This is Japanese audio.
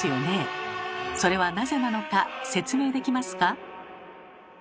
それはなぜなのか説明できますか？